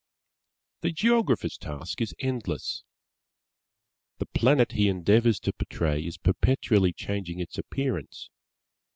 The Geographer's task is endless. The Planet he endeavours to portray is perpetually changing its appearance.